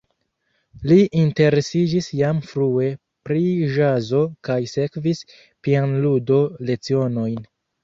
Li interesiĝis jam frue pri ĵazo kaj sekvis pianludo-lecionojn.